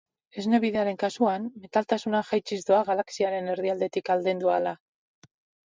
Esne Bidearen kasuan, metaltasuna jaitsiz doa galaxiaren erdialdetik aldendu ahala.